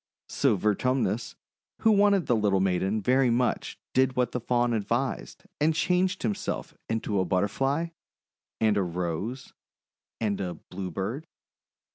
So Vertumnus, who wanted the little maiden very much, did what the Faun advised, and changed himself into a Butterfly, and a Rose, and a Bluebird.